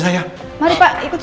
saya mau ketemu di rumahnya